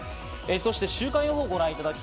そして週間予報です。